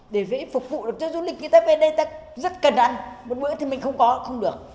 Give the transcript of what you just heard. để phục vụ được cho du lịch người ta về đây rất cần ăn một bữa thì mình không có cũng không được